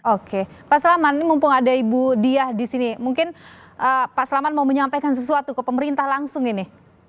oke pak salaman mumpung ada ibu diah di sini mungkin pak salaman mau menyampaikan sesuatu ke pemerintah langsung ini